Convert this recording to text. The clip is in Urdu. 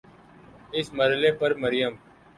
اس مرحلے پر مریم